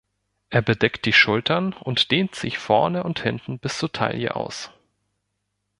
Er bedeckt die Schultern und dehnt sich vorne und hinten bis zur Taille aus.